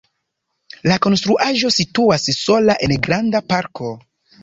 La konstruaĵo situas sola en granda parko.